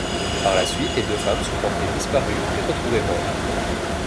Par la suite, les deux femmes sont portées disparues, puis retrouvées mortes.